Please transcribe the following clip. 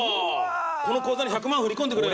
この口座に１００万振り込んでくれよ。